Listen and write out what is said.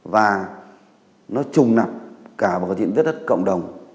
và nó trùng nằm cả vào cái diện tích đất cộng đồng